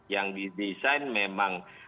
yang didesain memang